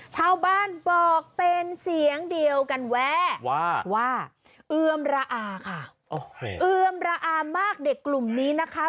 ชาวบ้านบอกเป็นเสียงเดียวกันแวะว่าว่าเอือมระอาค่ะเอือมระอามากเด็กกลุ่มนี้นะคะ